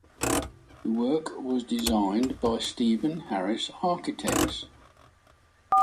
The work was designed by Steven Harris Architects.